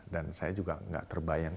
dan saya juga gak terbayang